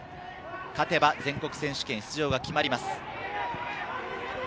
勝てば全国選手権出場が決まります。